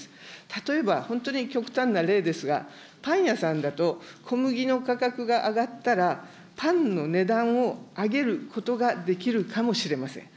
例えば、本当に極端な例ですが、パン屋さんだと、小麦の価格が上がったら、パンの値段を上げることができるかもしれません。